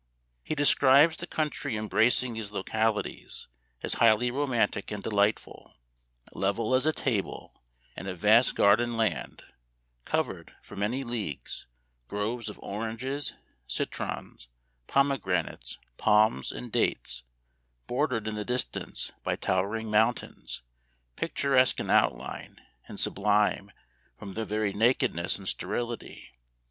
He describes the country embracing these localities as highly romantic and delightful, level as a table, and a vast garden land, covered for many leagues with groves of oranges, citrons, pomegranates, palms, and dates, bordered in the distance by towering mountains, picturesque in outline, and sublime from their very nakedness and sterility.